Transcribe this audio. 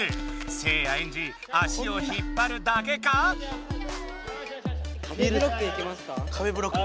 せいやエンジ足を引っぱるだけか⁉壁ブロック？